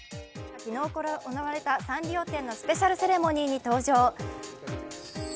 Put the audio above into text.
昨日行われたサンリオ展のスペシャルセレモニーに登場。